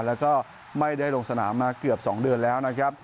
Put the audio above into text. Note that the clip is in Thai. แล้วก็ไม่ได้ลงสนามมาเกือบ๒เดือนแล้วนะครับ